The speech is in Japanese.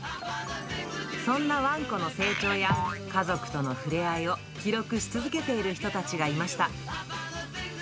そんなワンコの成長や家族との触れ合いを、記録し続けている人たちがいました。